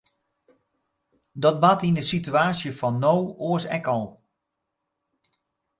Dat bart yn de situaasje fan no oars ek al.